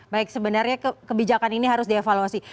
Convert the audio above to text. baik sebenarnya kebijakan ini harus dievaluasi